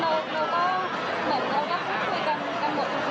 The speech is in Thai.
คุณผู้สามารถได้คิดคุณผู้สามารถได้คิด